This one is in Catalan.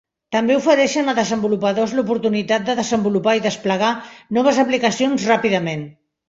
També ofereixen a desenvolupadors l'oportunitat de desenvolupar i desplegar noves aplicacions ràpidament.